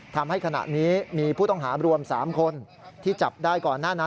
ทำให้ขณะนี้มีผู้ต้องหารวม๓คนที่จับได้ก่อนหน้านั้น